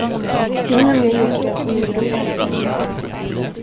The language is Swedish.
Jag har nämligen gjort det som min bror aldrig kunde.